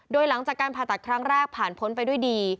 โดยหลังจากการผ่าตัดครั้งแรกผ่านพ้นไปด้วยดี